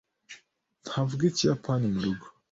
Ntavuga Ikiyapani murugo.